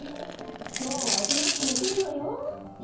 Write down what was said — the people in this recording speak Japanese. きょうはおとなしくねてるのよ。